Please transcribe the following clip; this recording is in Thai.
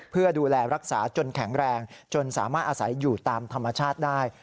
เพื่อดูแลรักษาจนแข็งแรงจนสามารถอาศัยอยู่ตามธรรมชาติได้